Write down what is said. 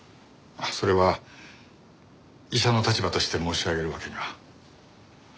それは医者の立場として申し上げるわけには。